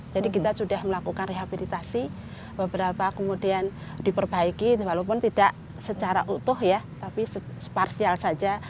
jadi kita sudah melakukan rehabilitasi beberapa kemudian diperbaiki walaupun tidak secara utuh ya tapi sparsial saja